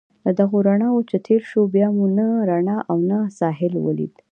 له دغو رڼاوو چې تېر شوو، بیا مو نه رڼا او نه ساحل ولید.